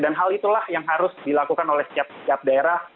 hal itulah yang harus dilakukan oleh setiap daerah